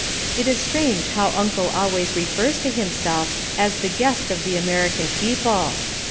It is strange how Uncle always refers to himself as the guest of the American people.